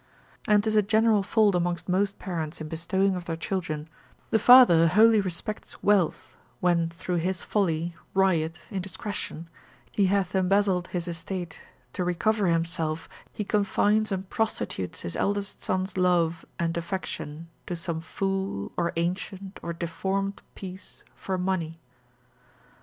And 'tis a general fault amongst most parents in bestowing of their children, the father wholly respects wealth, when through his folly, riot, indiscretion, he hath embezzled his estate, to recover himself, he confines and prostitutes his eldest son's love and affection to some fool, or ancient, or deformed piece for money.